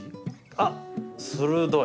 あっ鋭い。